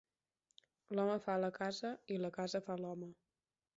L'home fa la casa i la casa fa l'home.